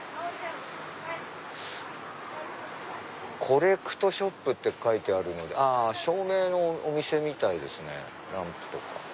コレクトショップって書いてあるので照明のお店みたいですねランプとか。